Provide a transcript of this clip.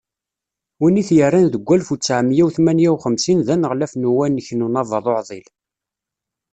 Win i t-yerran deg walef u ttɛemya u tmenya u xemsin d aneɣlaf n uwanek n Unabaḍ Uɛḍil.